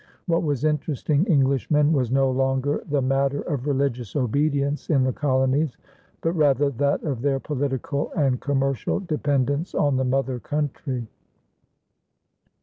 What was interesting Englishmen was no longer the matter of religious obedience in the colonies, but rather that of their political and commercial dependence on the mother country.